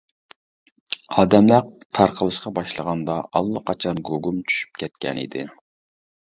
ئادەملەر تارقىلىشقا باشلىغاندا ئاللىقاچان گۇگۇم چۈشۈپ كەتكەن ئىدى.